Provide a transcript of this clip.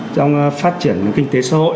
trong phát triển kinh tế xã hội